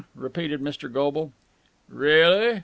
repeated Mr. Goble. "Really?"